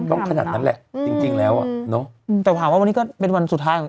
ต้องขนาดนั้นแหละจริงจริงแล้วเนอะแต่หวังว่าวันนี้ก็เป็นวันสุดท้าย